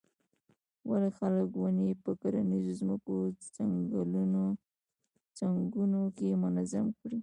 ولې خلک ونې په کرنیزو ځمکو څنګونو کې منظم کري.